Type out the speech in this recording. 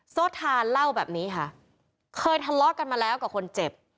โซทานเล่าแบบนี้ค่ะเคยทะเลาะกันมาแล้วกับคนเจ็บ